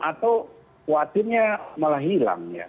atau khawatirnya malah hilang ya